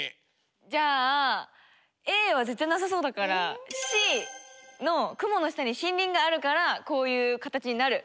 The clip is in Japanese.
じゃあＡは絶対なさそうだからＣの雲の下に森林があるからこういう形になる。